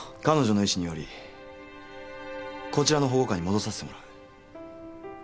彼女の意思によりこちらの保護下に戻させてもらう。